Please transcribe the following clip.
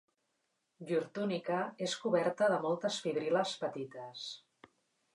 Llur túnica és coberta de moltes fibril·les petites.